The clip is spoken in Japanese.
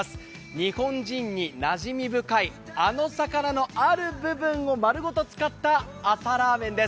日本人になじみ深いあの魚のある部分をまるごと使った朝ラーメンです